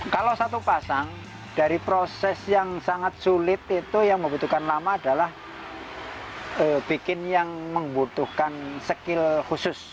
kalau satu pasang dari proses yang sangat sulit itu yang membutuhkan lama adalah bikin yang membutuhkan skill khusus